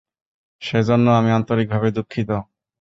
সেজন্য আমি আন্তরিকভাবে দুঃখিত!